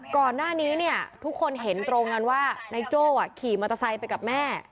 ก่อนหน้านี้เนี่ยทุกคนเห็นตรงกันว่านายโจ้ขี่มอเตอร์ไซค์ไปกับแม่